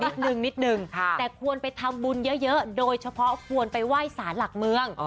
นิดนึงนิดนึงแต่ควรไปทำบุญเยอะโดยเฉพาะควรไปไหว้สารหลักเมือง